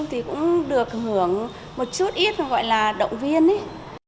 thì cũng được hưởng một chút ít gọi là động viên ấy